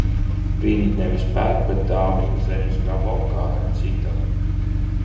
Viņi nevis pērk, bet dāvina zemes gabalu kādam citam.